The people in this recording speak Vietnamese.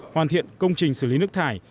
hoàn thiện công trình xử lý nước thải